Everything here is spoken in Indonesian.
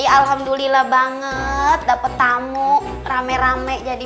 alhamdulillah banget dapat tamu rame rame jadi